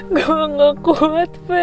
gue gak kuat pe